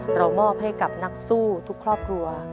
มอบให้กับนักสู้ทุกครอบครัว